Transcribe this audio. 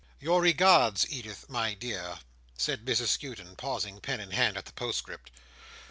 "Your regards, Edith, my dear?" said Mrs Skewton, pausing, pen in hand, at the postscript.